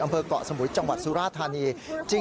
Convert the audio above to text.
อำเภอกเกาะสมุยจังหวัดสุราธารณี